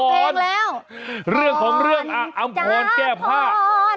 โอ้ยอัมพรเรื่องของเรื่องอัมพรแก้พ่า